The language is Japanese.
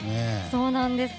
そうなんです。